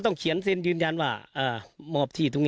ที่สรรพากรมัน